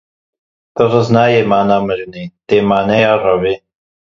Tirs nayê maneya mirinê, tê maneya revê.